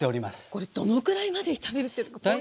これどのくらいまで炒めるっていうのはポイントは。